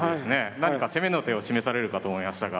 何か攻めの手を示されるかと思いましたが。